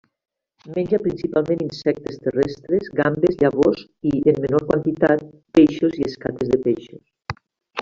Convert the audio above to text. Menja principalment insectes terrestres, gambes, llavors i, en menor quantitat, peixos i escates de peixos.